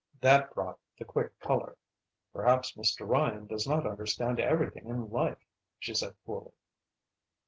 That brought the quick colour. "Perhaps Mr. Ryan does not understand everything in life," she said, coolly.